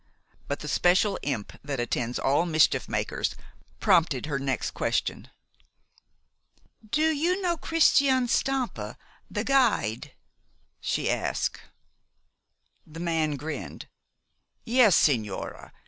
But the special imp that attends all mischief makers prompted her next question. "Do you know Christian Stampa, the guide?" she asked. The man grinned. "Yes, sigñora.